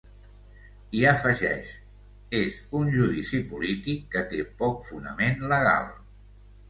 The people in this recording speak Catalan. I afegeix: És un judici polític que té poc fonament legal.